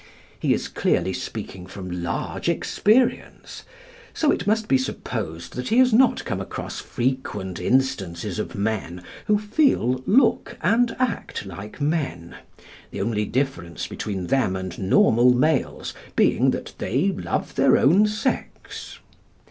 He is clearly speaking from large experience. So it must be supposed that he has not come across frequent instances of men who feel, look, and act like men, the only difference between them and normal males being that they love their own sex.